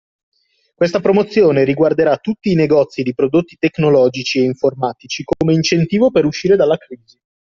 Questa promozione riguarderà tutti i negozi di prodotti tecnologici e informatici come incentivo per uscire dalla crisi.